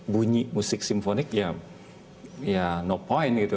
bunyi musik simfonik ya no point gitu